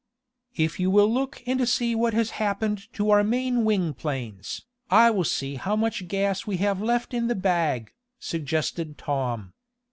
"If you will look and see what has happened to our main wing planes, I will see how much gas we have left in the bag," suggested Tom.